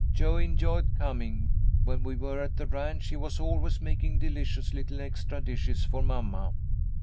Jo enjoyed coming. When we were at the ranch, he was always making delicious little extra dishes for mamma."